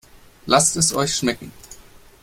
Lasst es euch schmecken!